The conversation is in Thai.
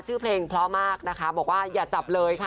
ชื่อเพลงเพราะมากนะคะบอกว่าอย่าจับเลยค่ะ